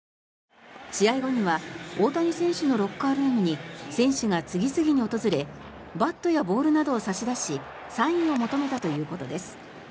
試合後には大谷選手のロッカールームに選手が次々に訪れバットやボールなどを差し出しサインを求めたということです。